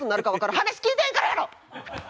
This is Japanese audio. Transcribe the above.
話聞いてへんからやろ！